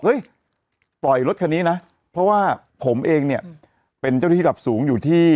ปล่อยรถคันนี้นะเพราะว่าผมเองเนี่ยเป็นเจ้าหน้าที่ดับสูงอยู่ที่